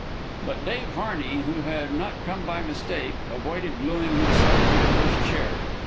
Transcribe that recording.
But Dave Harney, who had not come by mistake, avoided gluing himself to the first chair.